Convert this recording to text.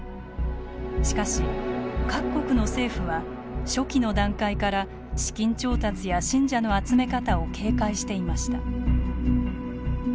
しかし、各国の政府は初期の段階から資金調達や信者の集め方を警戒していました。